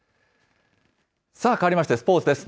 さあ、変わりましてスポーツです。